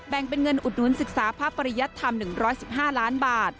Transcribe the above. เป็นเงินอุดหนุนศึกษาพระปริยัติธรรม๑๑๕ล้านบาท